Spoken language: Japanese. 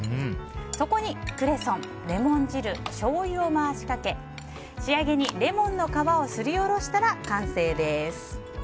そこにクレソン、レモン汁しょうゆを回しかけ仕上げにレモンの皮をすりおろしたら完成です。